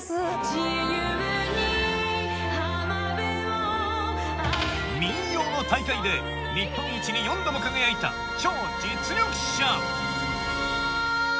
自由に浜辺を民謡の大会で日本一に４度も輝いた超実力者